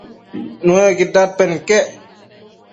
Nuëcquid dadpen iquec